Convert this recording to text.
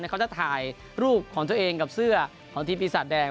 เนี่ยเขาจะถ่ายรูปของตัวเองกับเสื้อของทีพีสัตว์แดง